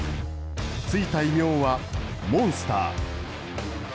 ついた異名はモンスター。